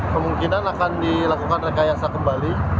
kemungkinan akan dilakukan rekayasa kembali